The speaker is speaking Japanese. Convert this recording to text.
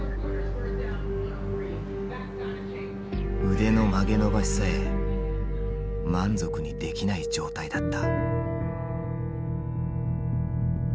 腕の曲げ伸ばしさえ満足にできない状態だった。